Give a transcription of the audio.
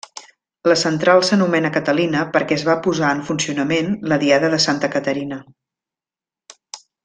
La central s'anomena Catalina perquè es va posar en funcionament la diada de Santa Caterina.